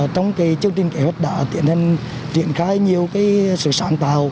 trong chương trình kế hoạch đã tiện hình triển khai nhiều sự sản